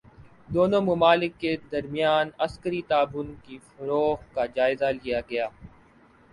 دونوں ممالک کے درمیان عسکری تعاون کے فروغ کا جائزہ لیا گیا